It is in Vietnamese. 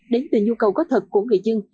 đến từ nhu cầu có thật của người dân